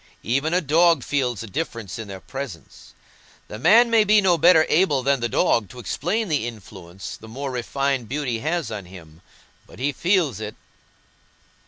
Even a dog feels a difference in their presence. The man may be no better able than the dog to explain the influence the more refined beauty has on him, but he feels it."